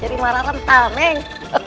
jadi marahkan pak meng